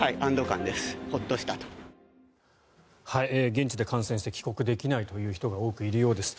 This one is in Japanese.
現地で感染して帰国できないという人が多くいるようです。